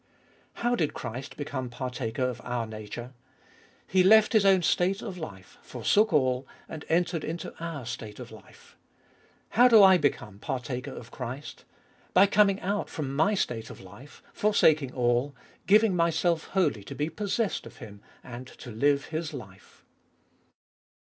2. How did Christ become partaher of our nature ? He left His own state of life, forsooh all, and entered into our state of life. How do I become partaker of Christ ? By coming out from my state of life, forsaking all, giving myself wholly to be possessed of Him and to live His life.